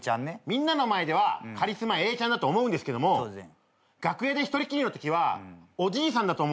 みんなの前ではカリスマ永ちゃんだと思うんですけども楽屋で一人きりのときはおじいさんだと思うんですよ。